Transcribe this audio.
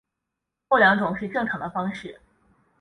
后两种是正常的方式。